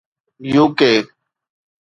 U.K